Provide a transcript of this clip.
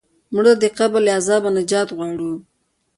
مړه ته د قبر له عذابه نجات غواړو